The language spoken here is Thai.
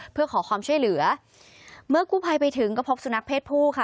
เพื่อขอความช่วยเหลือเมื่อกู้ภัยไปถึงก็พบสุนัขเพศผู้ค่ะ